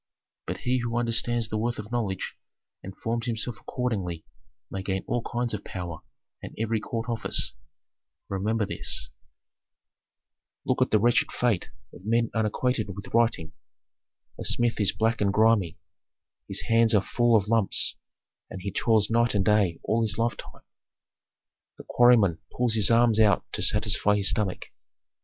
But he who understands the worth of knowledge and forms himself accordingly may gain all kinds of power and every court office. Remember this. Authentic. "Look at the wretched fate of men unacquainted with writing. A smith is black and grimy, his hands are full of lumps, and he toils night and day all his lifetime. The quarryman pulls his arms out to satisfy his stomach.